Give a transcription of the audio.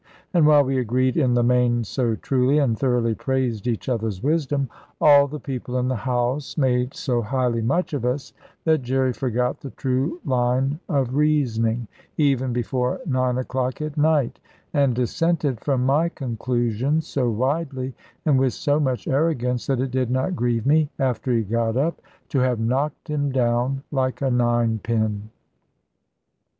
And while we agreed in the main so truly, and thoroughly praised each other's wisdom, all the people in the house made so highly much of us, that Jerry forgot the true line of reasoning, even before nine o'clock at night, and dissented from my conclusions so widely, and with so much arrogance, that it did not grieve me (after he got up) to have knocked him down like a ninepin.